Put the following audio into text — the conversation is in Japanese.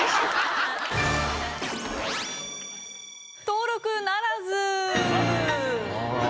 登録ならず。